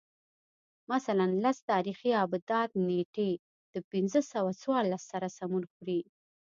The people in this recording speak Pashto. مثلاً لس تاریخي آبدات نېټې د پنځه سوه څوارلس سره سمون خوري